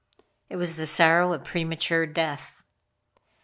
It was the sorrow of premature death.